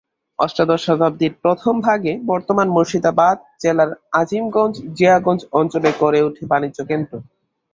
অষ্টাদশ শতাব্দীর প্রথম ভাগে বর্তমান মুর্শিদাবাদ জেলার আজিমগঞ্জ-জিয়াগঞ্জ অঞ্চলে গড়ে ওঠে বাণিজ্যকেন্দ্র।